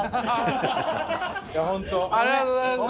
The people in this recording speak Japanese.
ありがとうございます。